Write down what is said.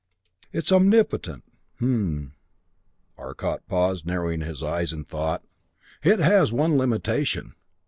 It is omnipotent hmmm " Arcot paused, narrowing his eyes in thought. "It has one limitation.